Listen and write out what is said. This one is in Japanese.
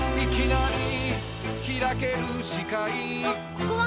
ここは！